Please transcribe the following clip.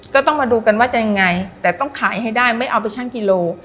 ก็ต้องมาดูกันว่าจะยังไงแต่ต้องขายให้ได้ไม่เอาไปชั่งกิโล